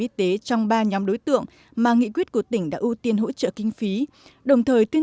y tế trong ba nhóm đối tượng mà nghị quyết của tỉnh đã ưu tiên hỗ trợ kinh phí đồng thời tuyên